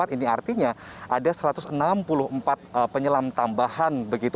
ini artinya ada satu ratus enam puluh empat penyelam tambahan